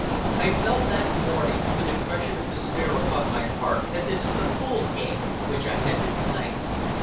I felt that morning, with the depression of despair upon my heart, that this was a fool's game which I had been playing.